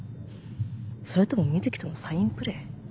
それとも水木とのサインプレー？